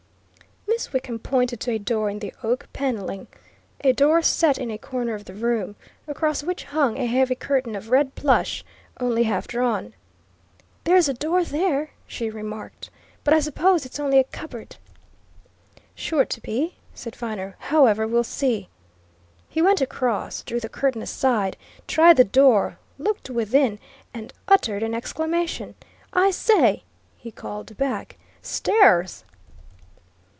Miss Wickham pointed to a door in the oak panelling, a door set in a corner of the room, across which hung a heavy curtain of red plush, only halfdrawn. "There's a door there," she remarked, "but I suppose it's only a cupboard." "Sure to be," said Viner. "However, we'll see." He went across, drew the curtain aside, tried the door, looked within, and uttered an exclamation. "I say!" he called back. "Stairs!"